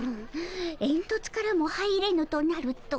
えんとつからも入れぬとなると。